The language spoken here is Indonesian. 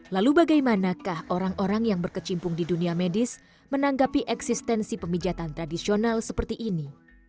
lalu bagaimanakah orang orang yang berkecimpung di dunia medis menanggapi eksistensi pemijatan tradisional seperti ini